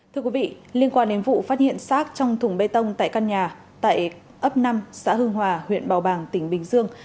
thưa quý vị liên quan đến vụ phát hiện xác trong thùng bê tông tại căn nhà tại ấp năm xã hương hòa huyện bào bàng tỉnh bình dương